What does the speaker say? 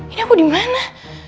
ini aku dimana